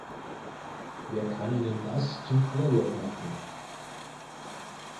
Wer kann ihnen das zum Vorwurf machen?